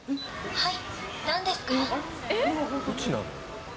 はい。